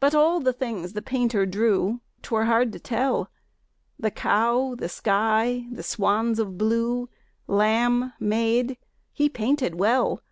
But all the things the painter drew 'Twere hard to tell The cow, the sky, the swans of blue, Lamb, maid, he painted well.